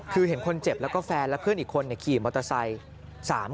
คือเห็นคนเจ็บแล้วก็แฟนและเพื่อนอีกคนขี่มอเตอร์ไซค์